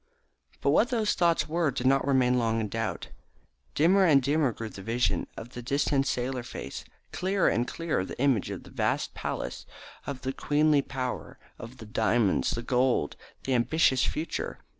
But what those thoughts were did not long remain in doubt. Dimmer and dimmer grew the vision of the distant sailor face, clearer and clearer the image of the vast palace, of the queenly power, of the diamonds, the gold, the ambitious future.